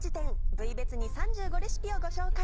部位別に３５レシピをご紹介。